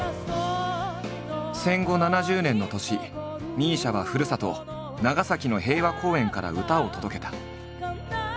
戦後７０年の年ＭＩＳＩＡは故郷長崎の平和公園から歌を届けた。